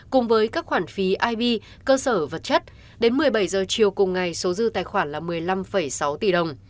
cùng với các khoản phí ib cơ sở vật chất đến một mươi bảy giờ chiều cùng ngày số dư tài khoản là một mươi năm sáu tỷ đồng